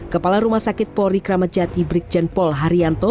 kepala rumah sakit polri kramatjati brikjen polharianto